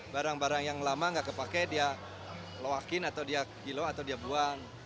barang barang yang lama nggak kepake dia loakin atau dia gilau atau dia buang